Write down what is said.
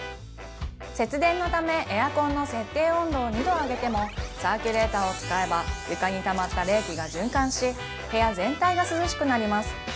節電のためエアコンの設定温度を２度上げてもサーキュレーターを使えば床にたまった冷気が循環し部屋全体が涼しくなります